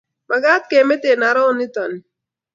Makat kemete arot nito ni